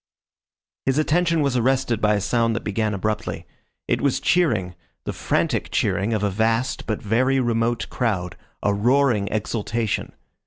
His attention was arrested by a sound that began abruptly. It was cheering, the frantic cheering of a vast but very remote crowd, a roaring exultation.